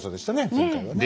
前回はね。